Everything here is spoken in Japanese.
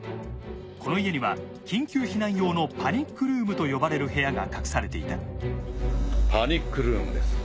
この家には緊急避難用のパニック・ルームと呼ばれる部屋が隠されていたパニック・ルームです。